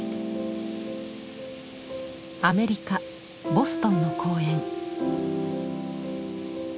アメリカ・ボストンの公園。